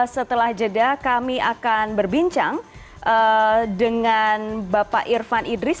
setelah jeda kami akan berbincang dengan bapak irfan idris